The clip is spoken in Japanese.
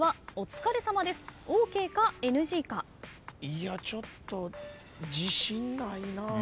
いやちょっと自信ないな。